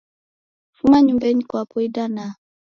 Fuma nyumbenyi kwapo idanaa.